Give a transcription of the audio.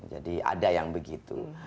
jadi ada yang begitu